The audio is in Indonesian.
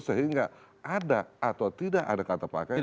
sehingga ada atau tidak ada kata pakai